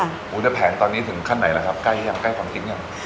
แล้วแผนตอนนี้ถึงขั้นไหนละครับใกล้ยังใกล้ฟังสิ้นยัง